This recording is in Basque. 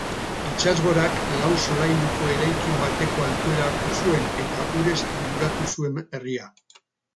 Itsasgorak lau solairuko erakin bateko altuera hartu zuen eta urez inguratu zuen herria.